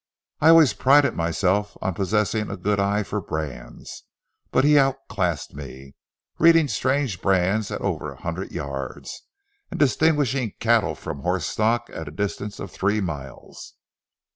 I always prided myself on possessing a good eye for brands, but he outclassed me, reading strange brands at over a hundred yards, and distinguishing cattle from horse stock at a distance of three miles.'